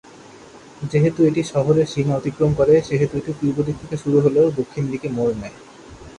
যেহেতু এটি শহরের সীমা অতিক্রম করে সেহেতু এটি পূর্ব দিকে শুরু হলেও দক্ষিণ দিকে মোড় নেয়।